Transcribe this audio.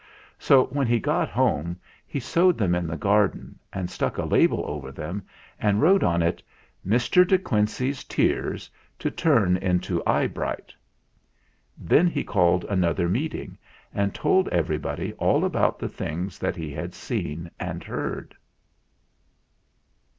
So when he got home he sowed them in the garden and stuck a label over them and wrote on it. "Mr. De Quincey's tears to turn into 'eyebright.' ' Then he called another Meeting and told everybody all about the things that he had seen and heard.